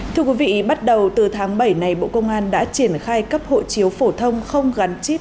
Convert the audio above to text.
thưa quý vị bắt đầu từ tháng bảy này bộ công an đã triển khai cấp hộ chiếu phổ thông không gắn chip